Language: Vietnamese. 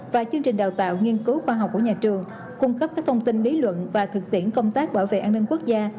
và chương trình đào tạo nghiên cứu khoa học của nhà trường cung cấp các thông tin lý luận và thực tiễn công tác bảo vệ an ninh quốc gia